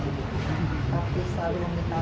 tapi selalu meminta maaf